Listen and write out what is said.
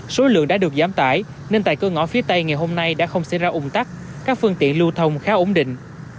số lượng đã được giảm tải nên tại cơ ngõ phía tây ngày hôm nay đã không xảy ra ủng tắc các phương tiện lưu thông khá ổn định